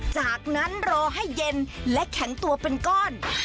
จากนั้นรอให้เย็นและแข็งตัวเป็นก้อน